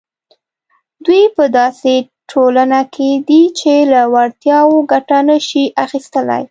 دوی په داسې ټولنه کې دي چې له وړتیاوو ګټه نه شي اخیستلای.